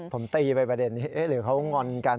ผมตีไปประเด็นนี้หรือเขางอนกัน